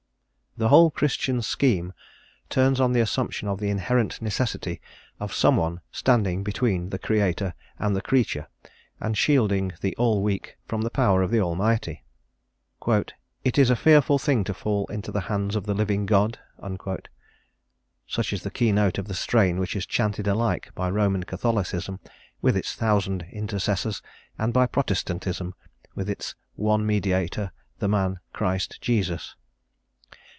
THE whole Christian scheme turns on the assumption of the inherent necessity of some one standing between the Creator and the creature, and shielding the all weak from the power of the All mighty. "It is a fearful thing to fall into the hands of the living God;" such is the key note of the strain which is chanted alike by Roman Catholicism, with its thousand intercessors, and by Protestantism, with its "one Mediator, the man Christ Jesus."